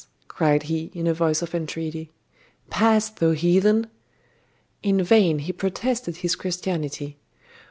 cried he in a voice of entreaty. 'Pass, thou heathen?' In vain he protested his Christianity.